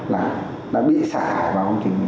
là đã bị sát thải vào công trình